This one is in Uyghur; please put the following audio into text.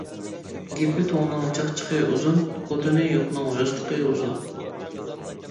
گېپى توڭنىڭ چاقچىقى ئۇزۇن، خوتۇنى يوقنىڭ ياستۇقى ئۇزۇن.